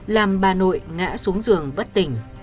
làm bà nội ngã xuống giường bất tỉnh